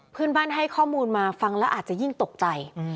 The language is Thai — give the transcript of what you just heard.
เพื่อนบ้านให้ข้อมูลมาฟังแล้วอาจจะยิ่งตกใจ